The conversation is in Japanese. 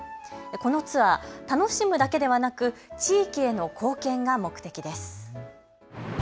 このツアー、楽しむだけではなく地域への貢献が目的です。